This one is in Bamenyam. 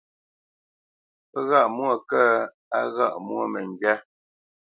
Pə́ ghâʼ mwô kə́, á ghâʼ mwô məŋgywá.